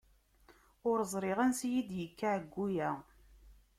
Ur ẓriɣ ansi i yi-d-yekka ɛeyyu-ya.